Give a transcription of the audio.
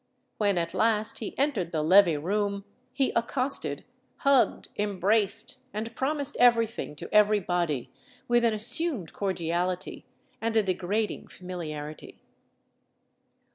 When at last he entered the levée room, he accosted, hugged, embraced, and promised everything to everybody with an assumed cordiality and a degrading familiarity.